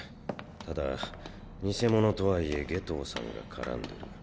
ただ偽物とはいえ夏油さんが絡んでる。